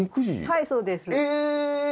はいそうですえ！